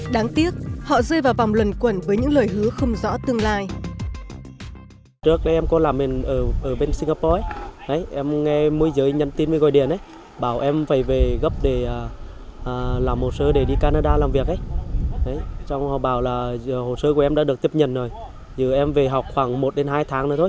đáng tiếc họ rơi vào vòng luận quẩn với những lời hứa không rõ tương lai